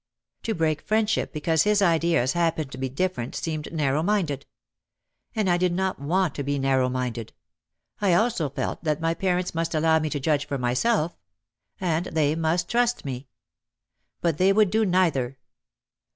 To break friendship because his ideas happened to be different seemed narrow minded. And I did not want to be narrow minded. I also felt that my parents must allow me to judge for myself. And they must trust me. But they would do neither.